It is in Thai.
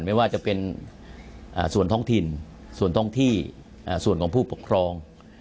ไม่ว่าจะเป็นส่วนท้องถิ่นส่วนท้องที่ส่วนของผู้ปกครอง